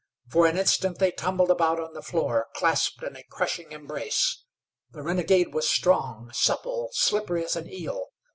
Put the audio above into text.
For an instant they tumbled about on the floor, clasped in a crushing embrace. The renegade was strong, supple, slippery as an eel.